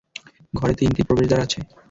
ঘরের তিনটি প্রবেশদ্বার আছে।